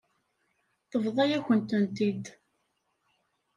Tebḍa-yakent-tent-id.